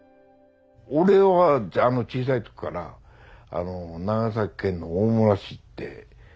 俺は小さい時から長崎県の大村市って。